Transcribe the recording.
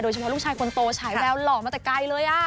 เฉพาะลูกชายคนโตฉายแววหล่อมาแต่ไกลเลย